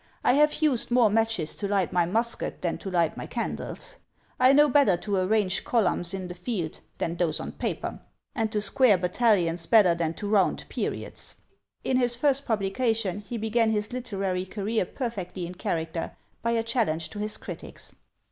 I have used more matches to light my musket than to light my candles; I know better to arrange columns in the field than those on paper; and to square battalions better than to round periods." In his first publication, he began his literary career perfectly in character, by a challenge to his critics!